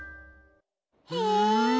へえ。